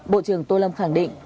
bộ trưởng tô lâm khẳng định